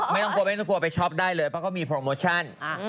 ไม่ต้องกลัวไม่ต้องกลัวไปช็อปได้เลยเพราะเขามีโปรโมชั่น